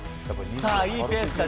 さあ、いいペースだ。